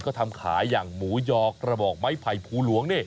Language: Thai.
ก็ทำขายอย่างหมูยอกระบอกไม้ไผ่ภูหลวงนี่